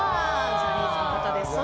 ジャニーズの方です。